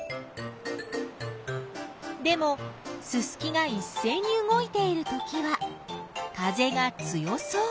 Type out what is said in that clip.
でもススキがいっせいに動いているときは風が強そう。